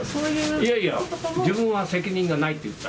いやいや、自分は責任がないって言った。